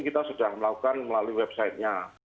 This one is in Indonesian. kita sudah melakukan melalui website nya